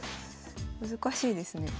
難しいですね。